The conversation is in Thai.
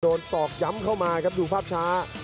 ตอกย้ำเข้ามาครับดูภาพช้า